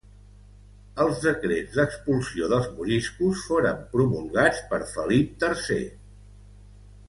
Els decrets d'expulsió dels moriscos foren promulgats per Felip tercer.